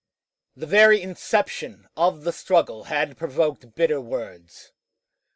The very inception of the struggle had provoked bitter words.